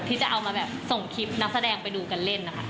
ที่จะเอามาแบบส่งคลิปนักแสดงไปดูกันเล่นนะคะ